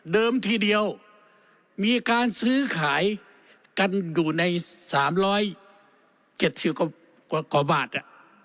เดิมทีเดียวมีการซื้อขายกันอยู่ในสามร้อยเจ็ดสิบกว่าบาทน่ะ